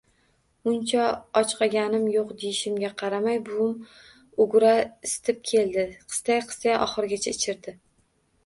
Uncha ochqaganim yo‘q, deyishimga qaramay, buvim ugra isitib kelib, qistay-qistay oxirigacha ichdirdi